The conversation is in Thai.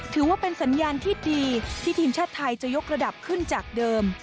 ถือว่าเป็นสัญญาณที่ดีที่ทีมชาติไทยจะยกระดับขึ้นจากเดิม